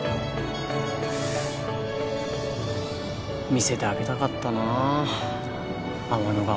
見せてあげたかったなあ天の川。